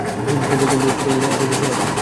কিন্তু ততদিন বেঁচে ছিলো।